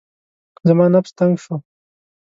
زما نفس تنګ شو.